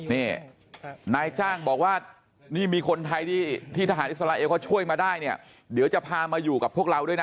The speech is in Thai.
นี่นายจ้างบอกว่านี่มีคนไทยที่ทหารอิสราเอลเขาช่วยมาได้เนี่ยเดี๋ยวจะพามาอยู่กับพวกเราด้วยนะ